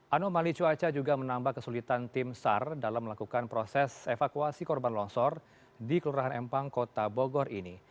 anomali cuaca juga menambah kesulitan tim sar dalam melakukan proses evakuasi korban longsor di kelurahan empang kota bogor ini